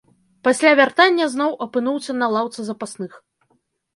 Пасля вяртання зноў апынуўся на лаўцы запасных.